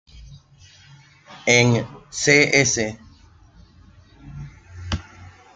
En Cs.